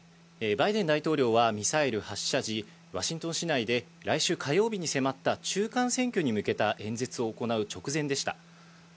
バイデン大統領はミサイル発射時、ワシントン市内で来週火曜日に迫った中間選挙に向けた演説を行う直前でした。